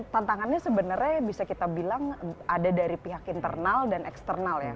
tantangannya sebenarnya bisa kita bilang ada dari pihak internal dan eksternal ya